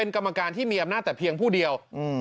เป็นกรรมการที่มีอาจเนาะแต่เพียงผู้เดียว